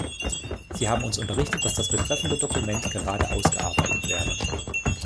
Sie haben uns unterrichtet, dass das betreffende Dokument gerade ausgearbeitet werde.